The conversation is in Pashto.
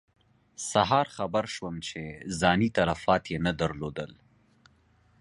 سهار خبر شوم چې ځاني تلفات یې نه درلودل.